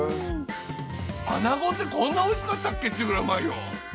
アナゴってこんなおいしかったっけっていうぐらいうまいよ！